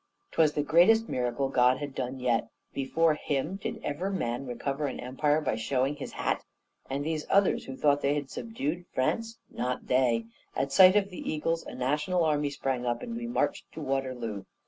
"'Twas the greatest miracle God had yet done! Before him, did ever man recover an empire by showing his hat? And these others, who thought they had subdued France! Not they! At sight of the eagles, a national army sprang up, and we marched to Waterloo.